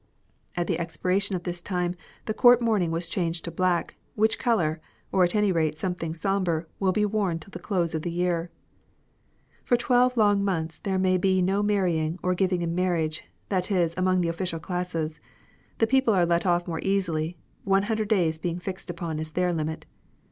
At the expiration of this time the Court mourn ing was changed to black, which colour, or at any rate something sombre, will be worn till the close of the year. For twelve long months there may be no marrying or giving in marriage, that is among the official classes ; the people are let off more easily, one hundred days being fixed upon as their limit.